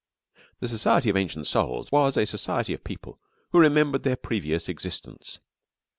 The Society of Ancient Souls was a society of people who remembered their previous existence.